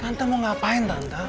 tante mau ngapain tante